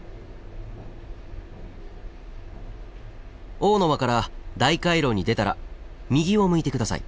「王の間」から大回廊に出たら右を向いて下さい。